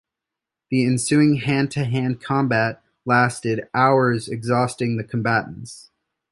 The ensuing hand-to-hand combat lasted hours, exhausting the combatants.